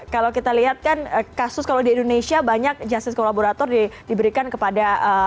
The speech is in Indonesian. kalau kita lihat kan kasus kalau di indonesia banyak justice kolaborator diberikan kepada